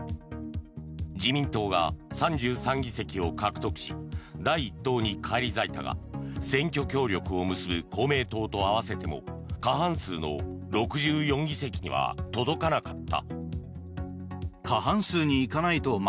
自民党が３３議席を獲得し第１党に返り咲いたが選挙協力を結ぶ公明党と合わせても過半数の６４議席には届かなかった。